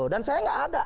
dan saya gak ada